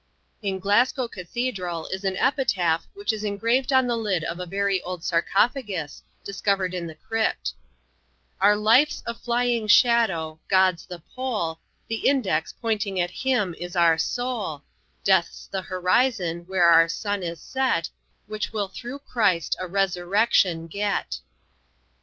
In Glasgow Cathedral is an epitaph, which is engraved on the lid of a very old sarcophagus, discovered in the crypt: "Our Life's a flying Shadow, God's the Pole, The Index pointing at him is our Soul, Death's the Horizon, when our Sun is set, Which will through Chryst a Resurrection get."